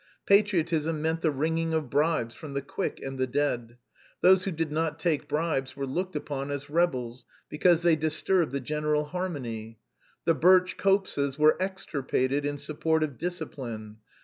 Patriotism meant the wringing of bribes from the quick and the dead. Those who did not take bribes were looked upon as rebels because they disturbed the general harmony. The birch copses were extirpated in support of discipline.